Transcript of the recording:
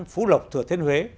phú lộc thừa thiên huế